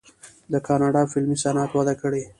د کاناډا فلمي صنعت وده کړې.